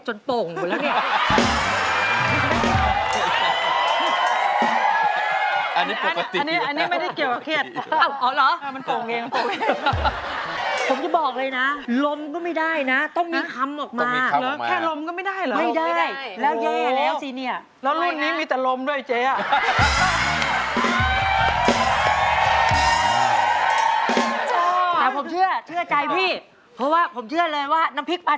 ขอบพระคุณมากเลยค่ะขอบพระคุณมากเลยค่ะขอบพระคุณมากเลยค่ะขอบพระคุณมากเลยค่ะขอบพระคุณมากเลยค่ะขอบพระคุณมากเลยค่ะขอบพระคุณมากเลยค่ะขอบพระคุณมากเลยค่ะขอบพระคุณมากเลยค่ะขอบพระคุณมากเลยค่ะขอบพระคุณมากเลยค่ะขอบพระคุณมากเลยค่ะขอบพระคุณมากเลยค่ะขอบพระคุณมากเลยค่ะขอบพระคุณมากเลย